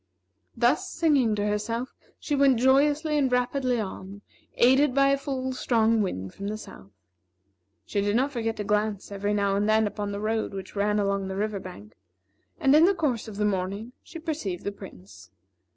Thus, singing to herself, she went joyously and rapidly on, aided by a full, strong wind from the south. She did not forget to glance every now and then upon the road which ran along the river bank; and, in the course of the morning, she perceived the Prince.